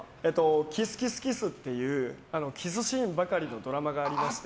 「キス×ｋｉｓｓ×キス」というキスシーンばかりのドラマがありまして。